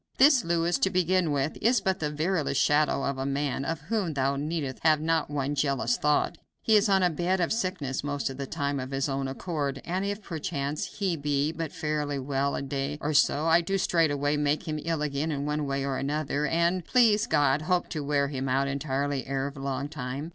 This Louis, to begin with, is but the veriest shadow of a man, of whom thou needst have not one jealous thought. He is on a bed of sickness most of the time, of his own accord, and if, perchance, he be but fairly well a day or so, I do straightway make him ill again in one way or another, and, please God, hope to wear him out entirely ere long time.